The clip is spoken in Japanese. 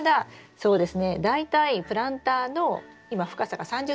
そうです。